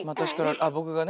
あ僕がね。